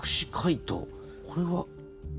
これは。